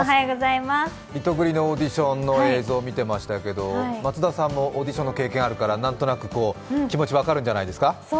リトグリのオーディションの映像見てましたけど松田さんもオーディションの経験あるから何となく気持ち分かるんじゃないですか？